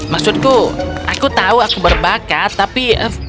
maksudku aku tahu aku berbakat tapi